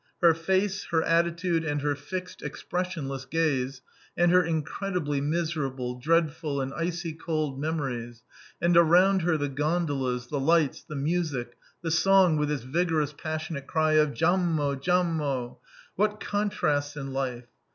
Her face, her attitude, and her fixed, expressionless gaze, and her incredibly miserable, dreadful, and icy cold memories, and around her the gondolas, the lights, the music, the song with its vigorous passionate cry of "Jam mo! Jam mo!" what contrasts in life!